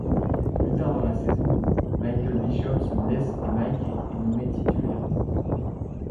Plus tard dans la saison, Michael Bishop se blesse et Mike est nommé titulaire.